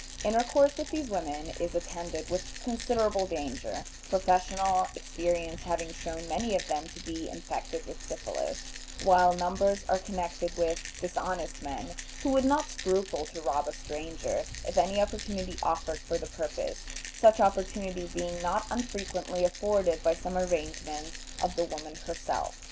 Intercourse with these women is attended with considerable danger, professional experience having shown many of them to be infected with syphilis, while numbers are connected with dishonest men who would not scruple to rob a stranger, if any opportunity offered for the purpose, such opportunity being not unfrequently afforded by some arrangement of the woman herself.